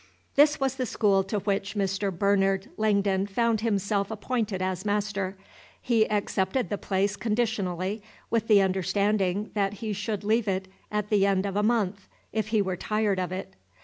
This was the school to which Mr. Bernard Langdon found himself appointed as master. He accepted the place conditionally, with the understanding that he should leave it at the end of a month, if he were tired of it.